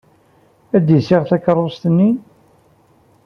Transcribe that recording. Ad d-iseɣ takeṛṛust-nni?